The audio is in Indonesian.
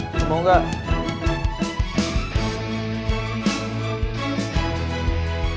lo mau gak